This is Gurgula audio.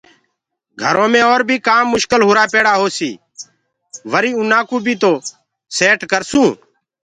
گھرو مي اور بيٚ ڪآم مشڪل هرآ پيڙآ هوسيٚ وريٚ آنآ ڪو بيٚ تو ٽيٽ ڪرسونٚ